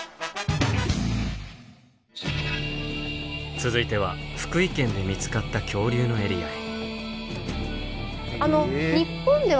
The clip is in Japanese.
続いては福井県で見つかった恐竜のエリアへ。